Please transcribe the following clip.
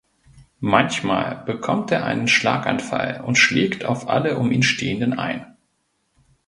Manchmal bekommt er einen Schlaganfall und schlägt auf alle um ihn stehenden ein.